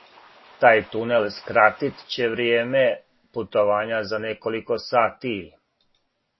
Тај тунел скратит ће вријеме путовања за неколико сати.